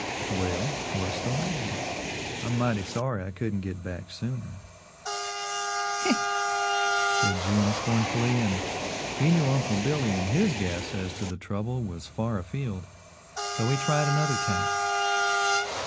"Well, what's the matter? I'm mighty sorry I couldn't get back sooner." "Huh!" said June scornfully, and he knew Uncle Billy in his guess as to the trouble was far afield, and so he tried another tack.